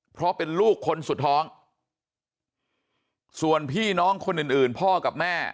เพราะเป็นลูกคนสุดท้องส่วนพี่น้องคนอื่นอื่นพ่อกับแม่